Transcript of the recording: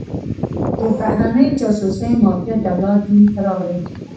د بهرنۍ جاسوسۍ معافیت د الله دین چراغ دی.